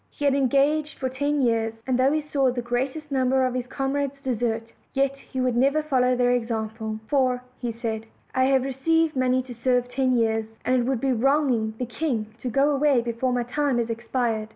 He had en gaged for ten years; and though he saw the greatest number of his comrades desert, yet he would never follow their example. "For," said he, "I have received money to serve ten years, and it would be wronging the king to go away before my time is expired."